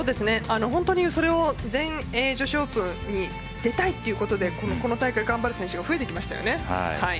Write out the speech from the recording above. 本当に全英女子オープンに出たいということでこの大会頑張る選手が増えてきましたよね。